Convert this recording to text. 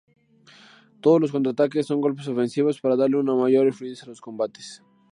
Todos los contra-ataques son golpes ofensivos, para darle una mayor fluidez a los combates.